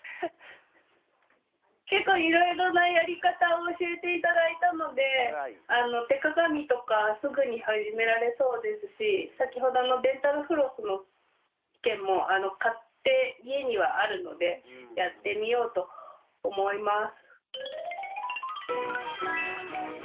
結構いろいろなやり方を教えて頂いたので手鏡とかすぐに始められそうですし先ほどのデンタルフロスの件も買って家にはあるのでやってみようと思います。